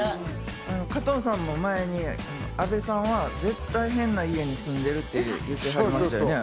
加藤さんも前に阿部さんは絶対変な家に住んでるって言ってましたね。